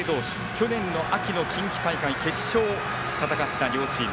去年の秋の近畿大会決勝を戦った両チーム。